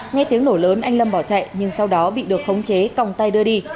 nghe tiếng nổ lớn anh lâm bỏ chạy nhưng sau đó bị được khống chế còng tay đưa đi